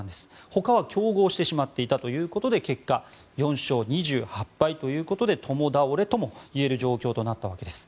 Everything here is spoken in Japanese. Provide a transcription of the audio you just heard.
ほかは競合してしまっていたということで結果、４勝２８敗ということで共倒れともいえる状況となったわけです。